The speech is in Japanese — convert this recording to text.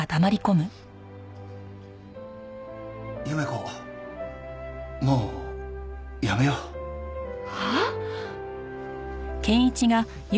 夢子もうやめよう。はあ！？